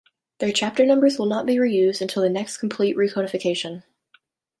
Their chapter numbers will not be reused until the next complete recodification.